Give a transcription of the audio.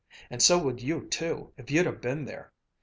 And so would you too, if you'd ha' been there.